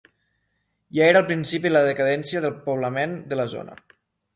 Ja era el principi de la decadència del poblament de la zona.